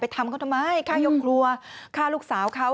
ไปทำเขาทำไมข้าโยกลัวข้าลูกสาวเขา